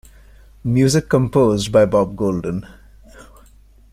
Music composed by Bob Golden.